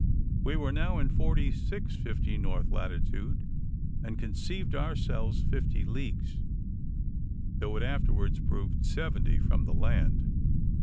We were now in 46 50 north latitude, and conceived ourselves 50 leagues, though it afterwards proved seventy, from the land.